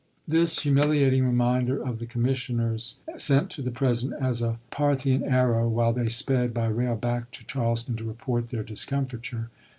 This humiliating reminder the commissioners sent to the President as a Parthian arrow, while they sped by rail back to Charleston to report their discomfiture.